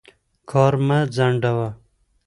کار مه ځنډوه.